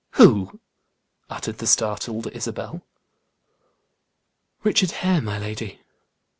"Who?" uttered the startled Isabel. "Richard Hare, my lady.